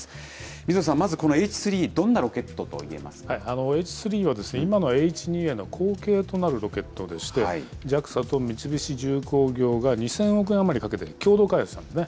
水野さん、まずこのＨ３、Ｈ３は今のＨ２Ａの後継となるロケットでして、ＪＡＸＡと三菱重工業が、２０００億円余りかけて、共同開発したんですね。